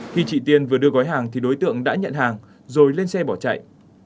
khi chị tiên vừa đưa gói hàng thì đối tượng đã nhận hàng rồi lên xe bỏ chạy